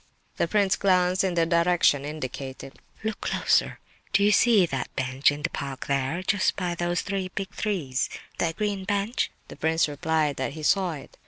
The prince glanced in the direction indicated. "Look closer. Do you see that bench, in the park there, just by those three big trees—that green bench?" The prince replied that he saw it.